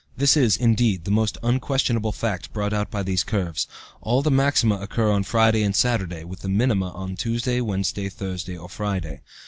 This is, indeed, the most unquestionable fact brought out by these curves. All the maxima occur on Saturday or Sunday, with the minima on Tuesday, Wednesday, Thursday, or Friday.